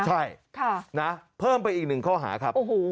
ใช่เพิ่มไปอีกหนึ่งข้อหาครับ